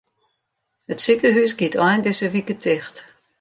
It sikehús giet ein dizze wike ticht.